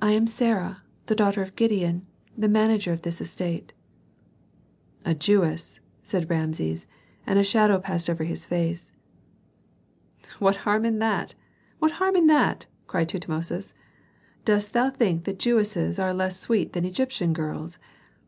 I am Sarah, the daughter of Gideon, the manager of this estate." "A Jewess," said Rameses; and a shadow passed over his face. "What harm in that? what harm in that?" cried Tutmosis. "Dost think that Jewesses are less sweet than Egyptian girls?